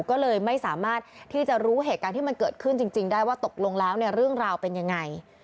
ก็เลยไม่สามารถที่จะรู้เหตุการณ์ที่มันเกิดขึ้นจริงได้ว่าตกลงแล้วเนี่ยเรื่องราวเป็นยังไง